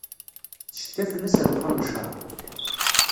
Tcetka fell-as ar wexxam n ccṛeɛ.